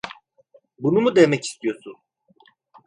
Bunu mu demek istiyorsun?